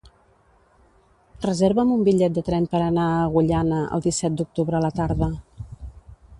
Reserva'm un bitllet de tren per anar a Agullana el disset d'octubre a la tarda.